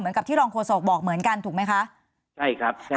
เหมือนกับที่รองโฟสกบอกเหมือนกันถูกไหมคะใช่ครับใช่ครับ